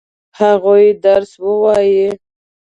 هغوی درس ووايه؟